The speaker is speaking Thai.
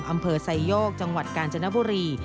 อำเภอไซโยกจังหวัดกาญจนบุรี